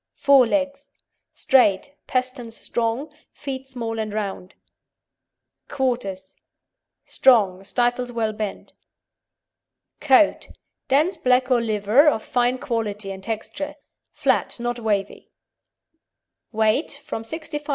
FORE LEGS Straight, pasterns strong, feet small and round. QUARTERS Strong; stifles well bent. COAT Dense black or liver, of fine quality and texture. Flat, not wavy. WEIGHT From 65 lb.